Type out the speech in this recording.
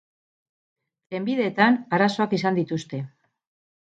Trenbideetan arazoak izan dituzte.